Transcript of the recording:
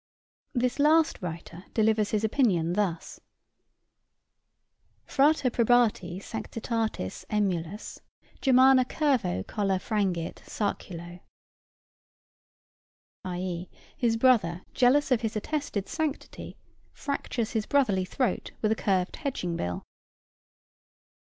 This last writer delivers his opinion thus: "Frater, probatæ sanctitatis æmulus, Germana curvo colla frangit sarculo:" i.e. his brother, jealous of his attested sanctity, fractures his brotherly throat with a curved hedging bill.